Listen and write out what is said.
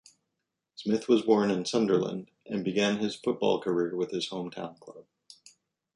Smith was born in Sunderland, and began his football career with his home-town club.